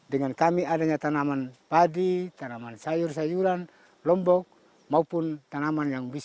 dengan kami adanya tanaman padi tanaman sayur sayuran lombok maupun tanaman yang bisa